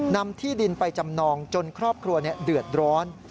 นำที่ดินไปจำนองจนครอบครัวเดือดร้อน